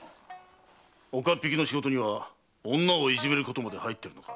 岡っ引きの仕事には女をいじめることまで入ってるのか？